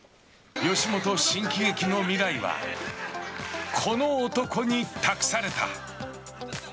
吉本新喜劇の未来はこの男に託された。